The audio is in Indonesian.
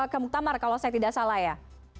ke muktamar kalau saya tidak salah ya